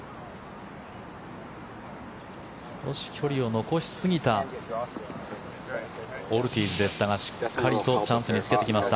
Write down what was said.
少し距離を残しすぎたオルティーズでしたがしっかりとチャンスにつけてきました。